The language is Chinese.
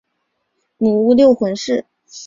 母乌六浑氏。